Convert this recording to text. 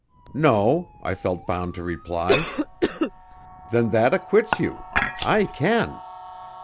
'No,' I felt bound to reply. 'Then that acquits you. I can.'